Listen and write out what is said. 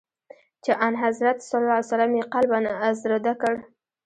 چي آنحضرت ص یې قلباً آزرده کړ.